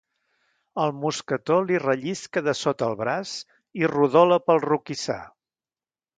El mosquetó li rellisca de sota el braç i rodola pel roquissar.